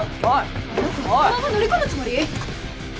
あの子このまま乗り込むつもり！？